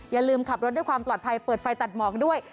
อย่าลืมขับรถด้วยความปลอดภัยเปิดไฟตัดหมอกด้วย